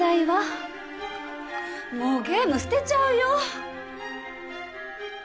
もうゲーム捨てちゃうよ。